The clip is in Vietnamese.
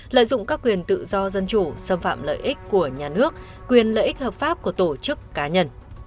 lợi dụng các quyền tự do dân chủ xâm phạm lợi ích của nhà nước quyền lợi ích hợp pháp của tổ chức cá nhân